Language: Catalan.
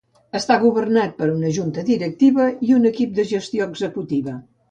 Està governat per una junta directiva i un equip de gestió executiva.